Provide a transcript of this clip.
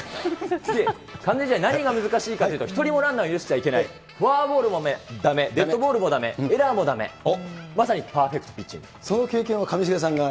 完全試合、何が難しいかというと、１人もランナー許してはいけない、フォアボールもだめ、デッドボールもだめ、エラーもだめ、まさにパーフェクトピッチンその経験は上重さんが。